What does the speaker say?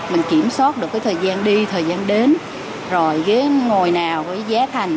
mình kiểm soát được cái thời gian đi thời gian đến rồi ghế ngồi nào với giá thành